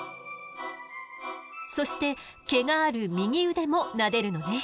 そして毛がある右腕もなでるのね。